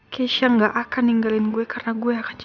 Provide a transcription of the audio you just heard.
keisha gak akan ninggalin gue karena gue akan jagain keisha